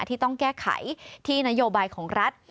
ที่ต้องแก้ไขที่นโยบายของรัฐ